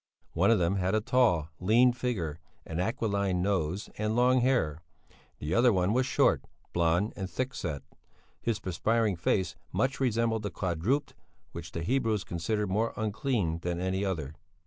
One of them had a tall, lean figure, an aquiline nose and long hair; the other one was short, blond, and thick set; his perspiring face much resembled the quadruped which the Hebrews consider more unclean than any other.